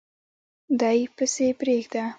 دی پسي پریږده